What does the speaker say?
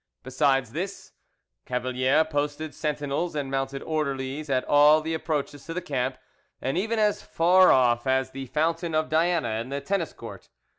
Besides this, Cavalier posted sentinels and mounted orderlies at all the approaches to the camp, and even as far off as the fountain of Diana and the tennis court.